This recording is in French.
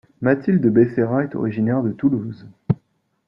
Mathilde Becerra est originaire de Toulouse.